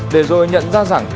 để rồi nhận ra rằng